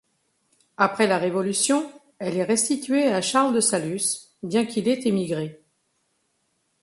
Après la Révolution, elle est restituée à Charles de Saluces bien qu'il ait émigré.